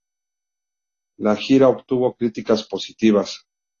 La gira obtuvo críticas positivas.